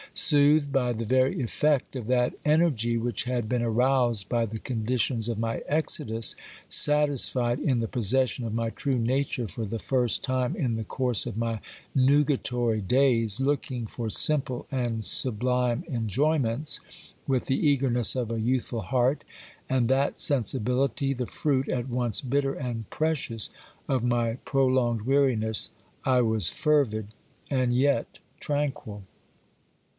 Soothed by the very effect of that energy which had been aroused by the conditions of my exodus, satisfied in the possession of my true nature for the first time in the course of my nugatory days, looking for simple and sublime enjoy ments with the eagerness of a youthful heart, and that sensibility, the fruit, at once bitter and precious, of my prolonged weariness, I was fervid and yet tranquil.